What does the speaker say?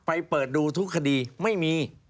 เปิดดูทุกคดีไม่มี